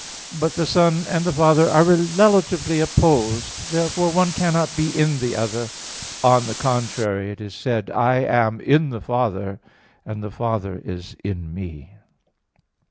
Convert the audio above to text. But the Son and the Father are relatively opposed. Therefore one cannot be in the other. On the contrary, It is said (John 14:10): "I am in the Father, and the Father is in Me."